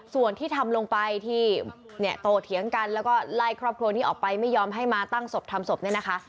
ส่วนที่ทำลงไปที่เนี่ยโตเถียงกันแล้วก็ไล่ครอบครัวนี้ออกไปไม่ยอมให้มาตั้งศพทำศพเนี่ยนะคะ